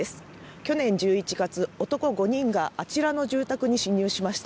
去年１１月、男５人があちらの住宅に侵入しました。